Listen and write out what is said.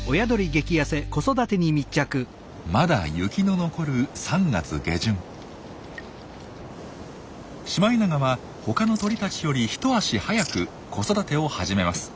まだ雪の残るシマエナガは他の鳥たちより一足早く子育てを始めます。